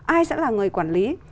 ai sẽ là người quản lý